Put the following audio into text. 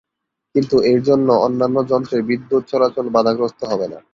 কিন্তু এর জন্য অন্যান্য যন্ত্রে বিদ্যুৎ চলাচল বাধাগ্রস্ত হবে না।